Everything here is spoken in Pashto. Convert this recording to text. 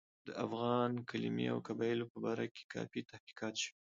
د افغان کلمې او قبایلو په باره کې کافي تحقیقات شوي.